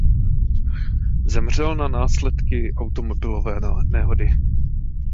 Zemřel na následky automobilové nehody.